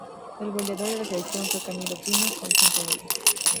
El goleador de la selección fue Camilo Pino con cinco goles.